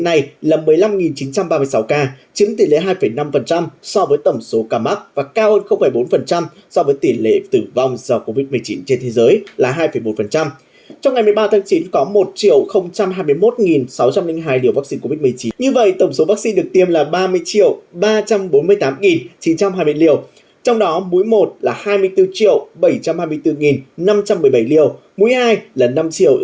hãy đăng kí cho kênh lalaschool để không bỏ lỡ những video hấp dẫn